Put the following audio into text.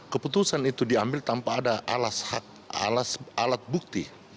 keputusan itu diambil tanpa ada alat bukti